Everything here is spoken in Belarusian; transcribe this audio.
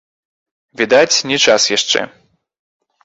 Відаць, не час яшчэ.